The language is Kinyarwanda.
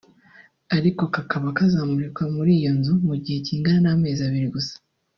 ariko kakaba kazamurikwa muri iyo nzu mu gihe kingana n’amezi abiri gusa